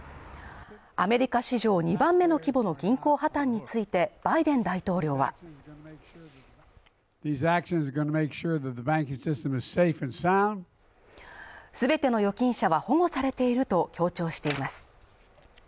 アメリカ史上２番目の規模の銀行破綻について、バイデン大統領は全ての預金者は保護されていると強調しています。